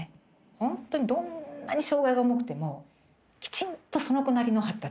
ほんとにどんなに障害が重くてもきちんとその子なりの発達はあるんですよ。